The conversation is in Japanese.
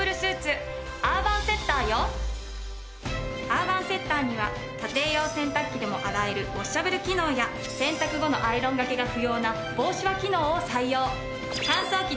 アーバンセッターには家庭用洗濯機でも洗えるウォッシャブル機能や洗濯後のアイロン掛けが不要な防シワ機能を採用。